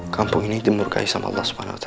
kampung ini dimurkai sama allah swt